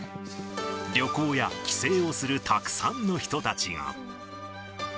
旅行や帰省をするたくさんの人たちが。